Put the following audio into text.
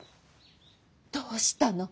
どうしたの？